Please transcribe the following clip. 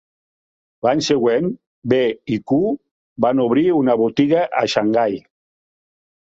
L'any següent, B i Q van obrir una botiga a Xangai.